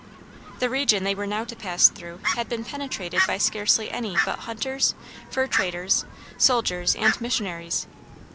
The region they were now to pass through had been penetrated by scarcely any but hunters, fur traders, soldiers, and missionaries.